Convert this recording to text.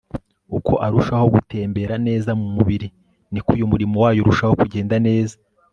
uko arushaho gutembera neza mu mubiri, ni ko uyu murimo wayo urushaho kugenda neza